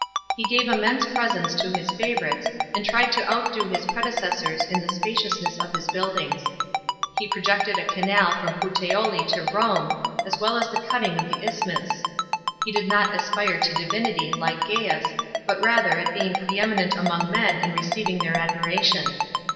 He gave immense presents to his favourites, and tried to outdo his predecessors in the spaciousness of his buildings. He projected a canal from Puteoli to Rome, as well as the cutting of the isthmus. He did not aspire to divinity, like Gaius, but rather at being pre eminent among men and receiving their admiration.